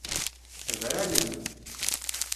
Bran-am.